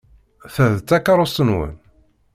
Ta d takeṛṛust-nwen?